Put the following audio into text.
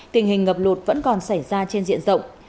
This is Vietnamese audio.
tình hình ngập lụt vẫn còn xảy ra trên diện rộng